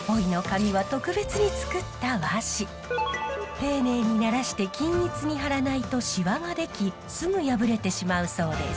丁寧にならして均一に張らないとシワができすぐ破れてしまうそうです。